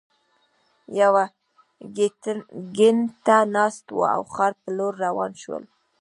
یوه ګینټه ناست وو او ښار په لور روان شولو.